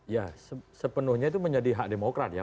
ya sepenuhnya itu menjadi hak demokrat ya